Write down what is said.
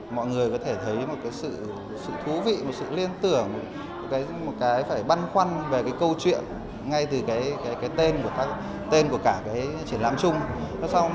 mọi người có thể thấy một cái sự thú vị một sự liên tưởng một cái phải băn khoăn về cái câu chuyện ngay từ cái tên của cả cái triển lãm chung